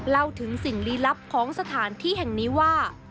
เล่าถึงสิ่งลีลับของสถานที่แห่งนี้ว่า